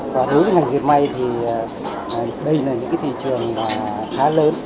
và đối với ngành diệt may thì đây là những thị trường khá lớn